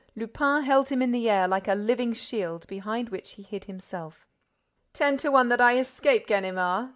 Lupin held him in the air, like a living shield, behind which he hid himself. "Ten to one that I escape, Ganimard!